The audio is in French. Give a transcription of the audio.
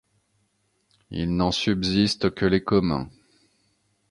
Il n’en subsiste que les communs.